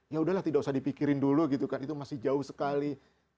ya udahlah tidak usah dipikirin dulu gitu kan itu masih jauh sekali